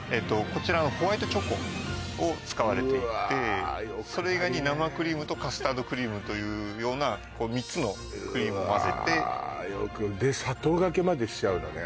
こちらはホワイトチョコを使われていてそれ以外に生クリームとカスタードクリームというような３つのクリームをまぜてうわあで砂糖がけまでしちゃうのね